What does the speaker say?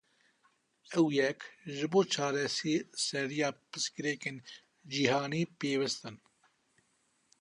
Ew yek, ji bo çareseriya pirsgirêkên cîhanî pêwîst in.